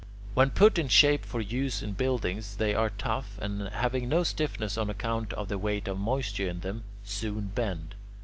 When put in shape for use in buildings they are tough and, having no stiffness on account of the weight of moisture in them, soon bend.